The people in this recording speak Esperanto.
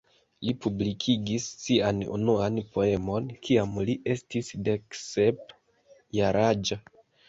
Li publikigis sian unuan poemon kiam li estis deksep jaraĝa.